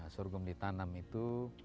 sorghum ditanam itu